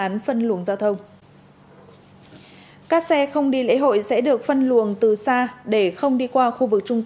án phân luồng giao thông các xe không đi lễ hội sẽ được phân luồng từ xa để không đi qua khu vực trung